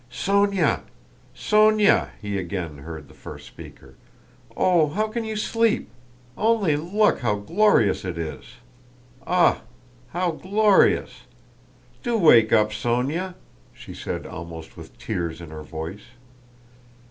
"Sónya! Sónya!" he again heard the first speaker. "Oh, how can you sleep? Only look how glorious it is! Ah, how glorious! Do wake up, Sónya!" she said almost with tears in her voice.